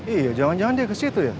iya jangan jangan dia kesitu ya